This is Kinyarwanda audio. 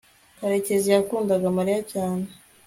karekezi yakundaga mariya cyane